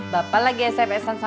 bapak lagi sps sama siapa